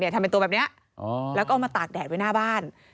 ทำเป็นตัวแบบนี้แล้วก็เอามาตากแดดไว้หน้าบ้าน